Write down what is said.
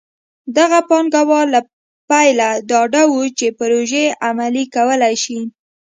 دغه پانګوال له پیله ډاډه وو چې پروژې عملي کولی شي.